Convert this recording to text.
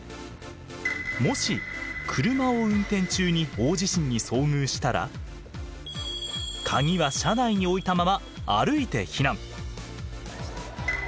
もし車を運転中に大地震に遭遇したら鍵は車内に置いたまま歩いて避難！